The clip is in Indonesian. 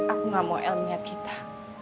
aku gak mau el lihat kita